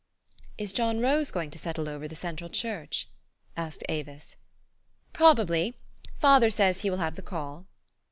"Is John Rose going to settle over the Central Church?" asked Avis. " Probably. Father says he will have the call."